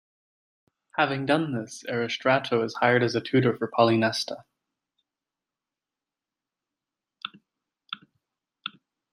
Having done this, Erostrato is hired as a tutor for Polynesta.